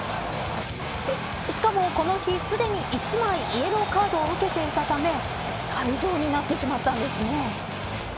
しかもこの日すでに１枚イエローカードを受けていたため退場になってしまったんですね。